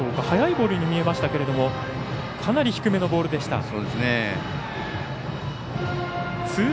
速いボールに見えましたけどもかなり低めのボールでした。